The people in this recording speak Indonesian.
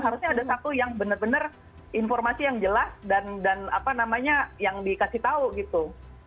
harusnya ada satu yang benar benar informasi yang jelas dan apa namanya yang dikasih tahu gitu